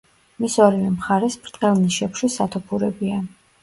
მის ორივე მხარეს, ბრტყელ ნიშებში სათოფურებია.